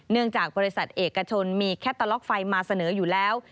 เนื่องจากบริษัทเอกชนมีแคตาล็อกไฟมาเสนออยู่แล้ว